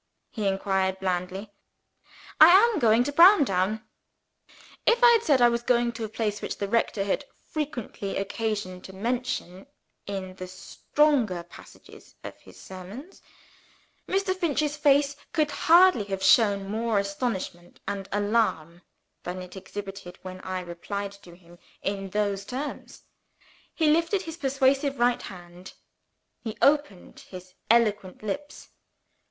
he inquired blandly. "I am going to Browndown." If I had said that I was going to a place which the rector had frequent occasion to mention in the stronger passages of his sermons, Mr. Finch's face could hardly have shown more astonishment and alarm than it exhibited when I replied to him in those terms. He lifted his persuasive right hand; he opened his eloquent lips.